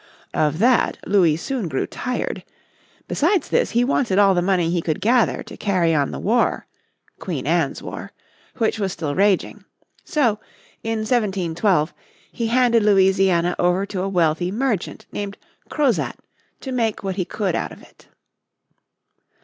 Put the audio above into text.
Of that Louis soon grew tired. Besides this he wanted all the money he could gather to carry on the war (Queen Anne's War), which was still raging. So, in 1712, he handed Louisiana over to a wealthy merchant named Crozat to make what he could out of it.